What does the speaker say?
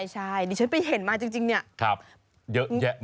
ใช่ดิฉันไปเห็นมากจริงเนี่ย